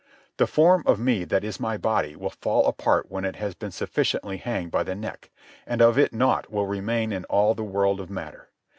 The form of me that is my body will fall apart when it has been sufficiently hanged by the neck, and of it naught will remain in all the world of matter.